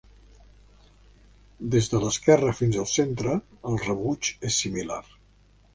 Des de l’esquerra fins el centre, el rebuig és similar.